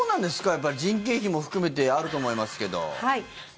やっぱり人件費も含めてあると思いますけど。